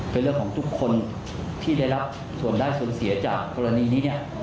เป็นเรื่องของทุกคนที่ได้รับส่วนได้ส่วนเสียจากกรณีนี้เนี่ย